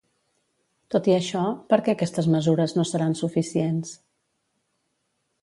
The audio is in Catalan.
Tot i això, per què aquestes mesures no seran suficients?